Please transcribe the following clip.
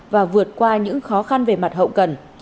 và vượt qua những khó khăn về mặt hậu cần